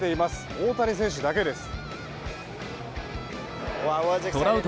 大谷選手だけです。